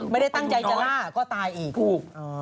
ไม่ได้ตั้งใจจะล่าก็ตายอีกถูก